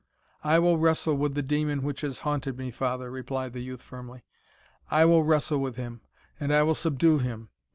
"I will wrestle with the demon which has haunted me, father," replied the youth, firmly "I will wrestle with him, and I will subdue him.